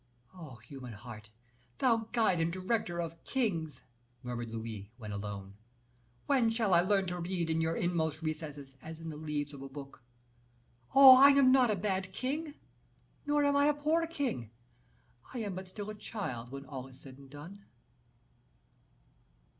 "Oh, human heart! thou guide and director of kings," murmured Louis, when alone, "when shall I learn to read in your inmost recesses, as in the leaves of a book! Oh, I am not a bad king nor am I a poor king; I am but still a child, when all is said and done."